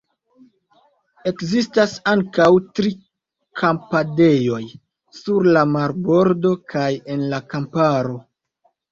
Ekzistas ankaŭ tri kampadejoj – sur la marbordo kaj en la kamparo.